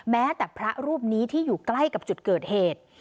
แม้แต่พระรูปนี้ที่อยู่ใกล้กับจุดเกิดเหตุ